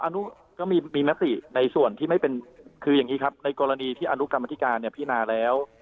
อันนี้ก็มีมติในส่วนที่ไม่เป็นคืออย่างนี้ครับในกรณีที่อนุกรรมธิการเนี่ยพินาแล้ว